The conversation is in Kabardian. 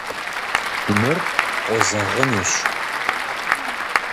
Мыр къозэгъынущ.